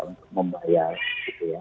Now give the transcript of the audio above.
untuk membayar itu ya